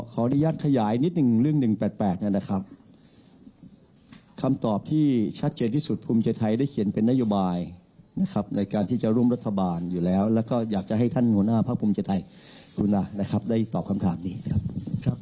ขออนุญาตขยายนิดนึงเรื่อง๑๘๘เนี่ยนะครับคำตอบที่ชัดเจนที่สุดภูมิใจไทยได้เขียนเป็นนโยบายนะครับในการที่จะร่วมรัฐบาลอยู่แล้วแล้วก็อยากจะให้ท่านหัวหน้าภาคภูมิใจไทยกรุณานะครับได้ตอบคำถามนี้นะครับ